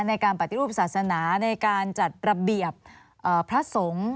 ในการปฏิรูปศาสนาในการจัดระเบียบพระสงฆ์